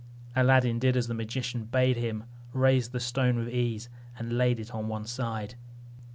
Aladdin did as the magician bade him, raised the stone with ease, and laid it on one side.